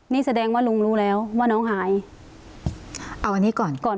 นี่แสดงว่าลุงรู้แล้วว่าน้องหายเอาอันนี้ก่อนก่อน